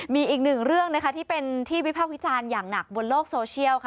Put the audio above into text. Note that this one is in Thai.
มีอีกหนึ่งเรื่องนะคะที่เป็นที่วิภาควิจารณ์อย่างหนักบนโลกโซเชียลค่ะ